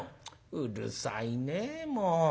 「うるさいねもう。